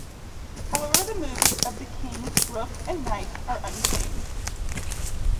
However the moves of the king, rook, and knight are unchanged.